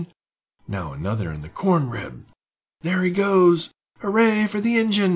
"Now another in the corn crib!" "There he goes!" "Hooray for the Ingen!"